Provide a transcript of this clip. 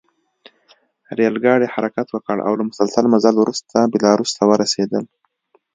ریل ګاډي حرکت وکړ او له مسلسل مزل وروسته بیلاروس ته ورسېدل